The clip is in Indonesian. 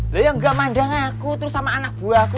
loh yang gak mandang aku terus sama anak buahku